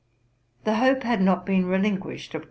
The hope had not been relinquished of.